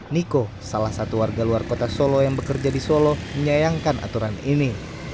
niko salah satu warga luar kota solo yang bekerja di solo menyayangkan aturan ini